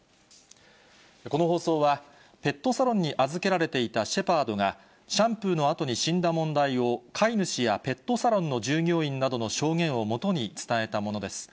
この放送は、ペットサロンに預けられていたシェパードが、シャンプーのあとに死んだ問題を、飼い主やペットサロンの従業員などの証言をもとに伝えたものです。